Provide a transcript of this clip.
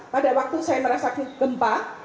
pada waktu saya merasa gempa